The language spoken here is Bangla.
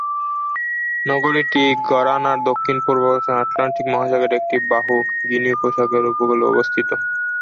নগরীটি ঘানার দক্ষিণ-পূর্বভাগে আটলান্টিক মহাসাগরের একটি বাহু গিনি উপসাগরের উপকূলে অবস্থিত।